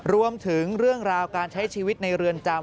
รวมถึงเรื่องราวการใช้ชีวิตในเรือนจำ